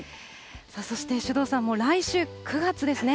そして首藤さん、もう来週９月ですね。